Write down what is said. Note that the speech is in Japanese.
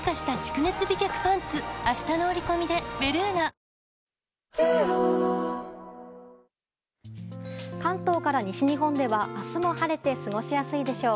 東京、１１月と思えない関東から西日本では明日も晴れて過ごしやすいでしょう。